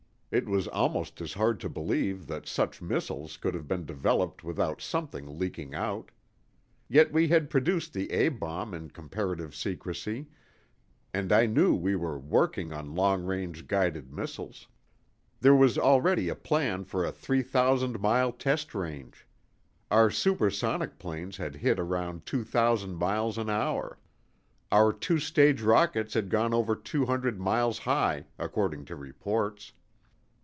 It was almost as hard to believe that such missiles could have been developed without something leaking out. Yet we had produced the A bomb in comparative secrecy, and I knew we were working on long range guided missiles. There was already a plan for a three thousand mile test range. Our supersonic planes had hit around two thousand miles an hour. Our two stage rockets had gone over two hundred miles high, according to reports.